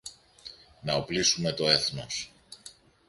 να οπλίσουμε το έθνος.